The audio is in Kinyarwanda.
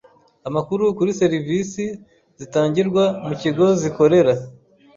amakuru kuri serivisi zitangirwa mu kigo zikorera.